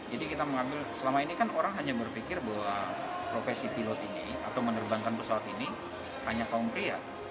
jadi kita mengambil selama ini kan orang hanya berpikir bahwa profesi pilot ini atau menerbangkan pesawat ini hanya kaum pria